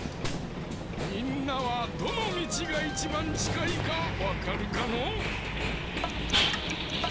みんなはどのみちがいちばんちかいかわかるかのう？